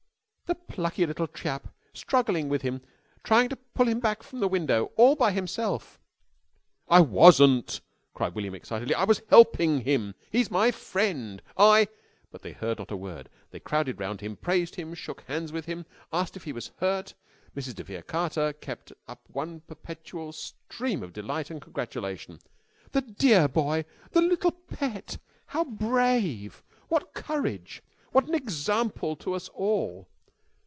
"The plucky little chap! Struggling with him! Trying to pull him back from the window! All by himself!" "I wasn't," cried William excitedly. "I was helping him. He's my friend. I " But they heard not a word. They crowded round him, praised him, shook hands with him, asked if he was hurt. Mrs. de Vere Carter kept up one perpetual scream of delight and congratulation. "The dear boy! The little pet! How brave! What courage! What an example to us all!